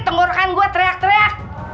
tenggorokan gue teriak teriak